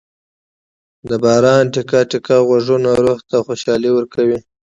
د باران ټېکه ټېکه ږغونه روح ته خوشالي ورکوي.